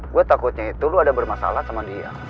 gue takutnya itu lu ada bermasalah sama dia